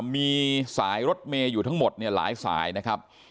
มีสายรถเมย์กรุงเทพฯหลายสายนะครับ